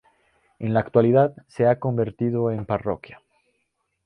En la actualidad se ha convertido en parroquia.